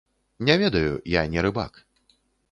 Не ведаю, я не рыбак.